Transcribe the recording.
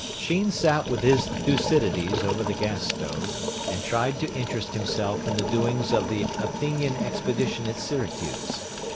Sheen sat with his Thucydides over the gas stove, and tried to interest himself in the doings of the Athenian expedition at Syracuse.